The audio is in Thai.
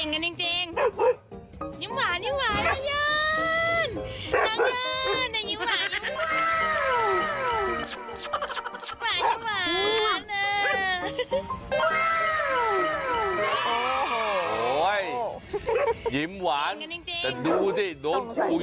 เก่งกันจริงยิ้มหวานน้าเยิ้นน้าเยิ้นน้ายิ้มหวาน